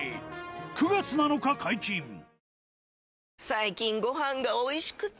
最近ご飯がおいしくて！